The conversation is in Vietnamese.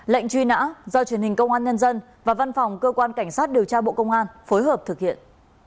lệnh truy nã do truyền hình công an nhân dân và văn phòng cơ quan cảnh sát điều tra bộ công an phối hợp thực hiện